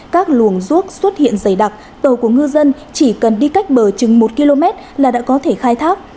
các luồng ruốc xuất hiện dày đặc tàu của ngư dân chỉ cần đi cách bờ chừng một km là đã có thể khai thác